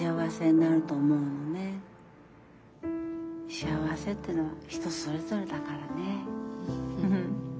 幸せってのは人それぞれだからねぇ。